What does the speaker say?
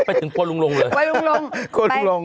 ไปถึงโกรธลุงเลย